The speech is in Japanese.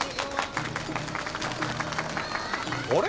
あれ？